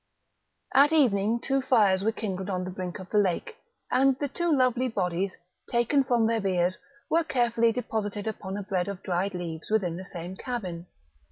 At evening two fires were kindled on the brink of the lake, and the two lovely bodies, taken from their biers, were carefully deposited upon a bed of dried leaves within the same cabin.